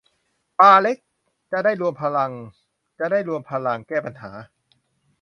ปลาเล็ก จะได้รวมพลังจะได้รวมพลังแก้ปัญหา